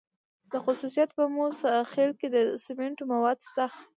د خوست په موسی خیل کې د سمنټو مواد شته.